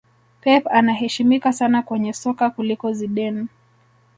Pep anaheshimika sana kwenye soka kuliko Zidane